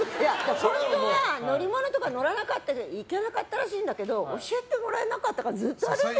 本当は乗り物とかに乗らないといけなかったらしいんだけど教えてもらえなかったからずっと歩いてた。